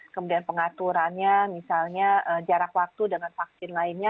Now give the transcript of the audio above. kemudian pengaturannya misalnya jarak waktu dengan vaksin lainnya